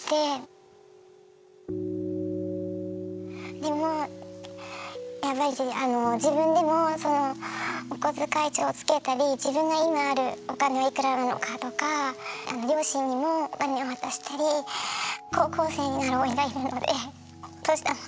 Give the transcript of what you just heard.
でもやっぱしあの自分でもそのお小遣い帳をつけたり自分が今あるお金はいくらあるのかとか両親にもお金を渡したり高校生になるおいがいるのでお年玉あげたりとか。